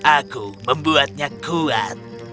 aku membuatnya kuat